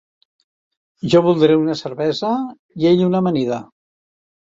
Jo voldré una cervesa i ell una amanida.